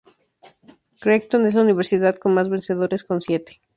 Creighton es la universidad con más vencedores con siete.